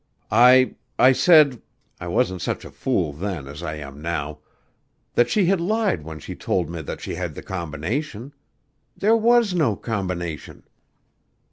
"I I said I wasn't such a fool then as I am now that she had lied when she told me that she had the combination. There was no combination.